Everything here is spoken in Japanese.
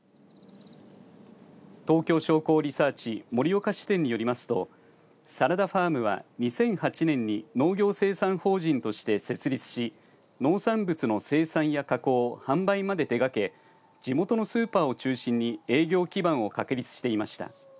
東京商工リサーチ盛岡支店によりますとサラダファームは２００８年に農業生産法人として設立し農産物の生産や加工販売まで手掛け地元のスーパーを中心に営業基盤を確立していました。